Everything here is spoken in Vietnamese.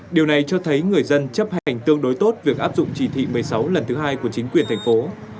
điều này cho thấy người dân chấp hành tương đối tốt việc áp dụng chỉ thị một mươi sáu lần thứ hai của chính quyền thành phố